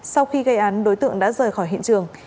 sau khi gây án đối tượng đã rời khỏi hiện trường